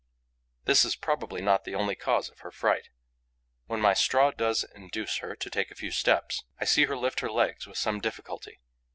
This is probably not the only cause of her fright. When my straw does induce her to take a few steps, I see her lift her legs with some difficulty.